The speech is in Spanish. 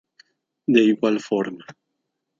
De igual forma.